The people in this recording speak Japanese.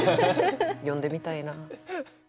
詠んでみたいな。